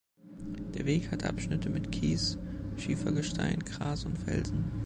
Der Weg hat Abschnitte mit Kies, Schiefergestein, Gras und Felsen.